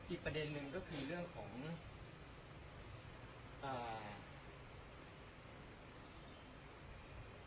อีกประเด็นหนึ่งก็คือเรื่องของอ่า